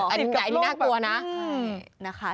อันนี้ไหนน่ากลัวนะใช่